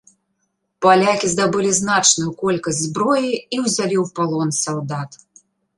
Палякі здабылі значную колькасць зброі і ўзялі ў палон салдат.